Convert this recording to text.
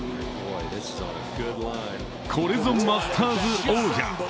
これぞマスターズ王者。